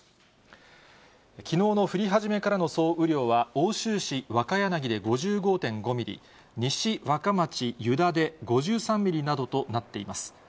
きのうの降り始めからの総雨量は奥州市若柳で５５．５ミリ、西和賀町湯田で５３ミリなどとなっています。